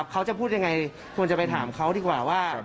เค้าจะพูดอย่างไรควรจะไปถามเค้าดีกว่าว่า